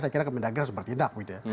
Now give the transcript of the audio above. saya kira kemendagangan seperti itu